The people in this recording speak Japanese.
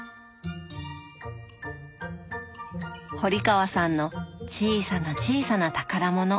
堀川さんの小さな小さな宝物。